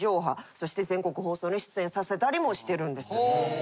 そして全国放送に出演させたりもしてるんです。